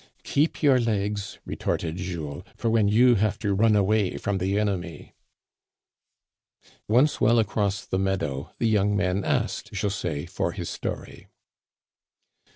"Keep your legs," retorted Jules, "for when you have to run away from the enemy.*' Once well across the meadow, the young men asked José for his story.